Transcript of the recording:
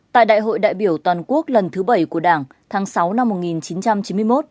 tại đại hội đại biểu toàn quốc lần thứ bảy của đảng tháng sáu năm một nghìn chín trăm chín mươi một